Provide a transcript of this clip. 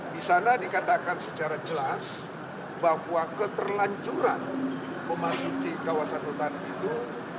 di sana dikatakan secara jelas bahwa keterlancuran memasuki kawasan hutan itu